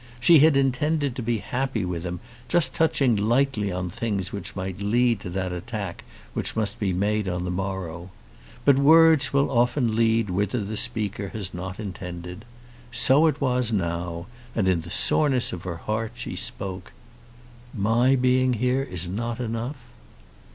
She had intended to be happy with him, just touching lightly on things which might lead to that attack which must be made on the morrow. But words will often lead whither the speaker has not intended. So it was now, and in the soreness of her heart she spoke. "My being here is not enough?"